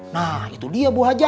nah itu dia bu haja